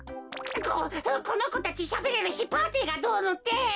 ここのこたちしゃべれるしパーティーがどうのってほら！